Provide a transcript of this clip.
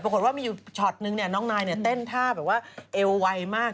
ปรากฏว่ามีอยู่ช็อตนึงเนี่ยน้องนายเนี่ยเต้นท่าแบบว่าเอวไวมาก